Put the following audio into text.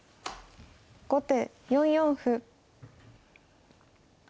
後手４四歩。